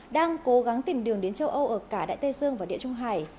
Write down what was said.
đang cố gắng tìm đường đến châu âu ở cả đại tây dương và địa trung hải